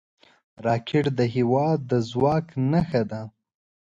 راکټ د هیوادونو د ځواک نښه ده